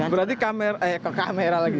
berarti ke kamera lagi